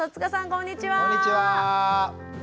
こんにちは！